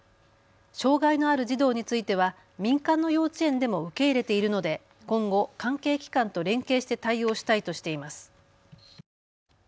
障害のある児童については民間の幼稚園でも受け入れているので今後、関係機関と連携して対応したいとしています。